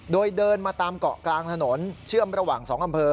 โดยเดินมาตามเกาะกลางถนนเชื่อมระหว่าง๒อำเภอ